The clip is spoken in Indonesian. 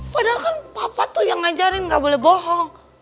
padahal kan papa tuh yang ngajarin nggak boleh bohong